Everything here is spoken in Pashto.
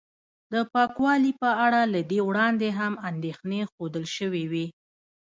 د پاکوالي په اړه له دې وړاندې هم اندېښنې ښودل شوې وې